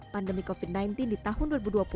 pandemi covid sembilan belas di tahun dua ribu dua puluh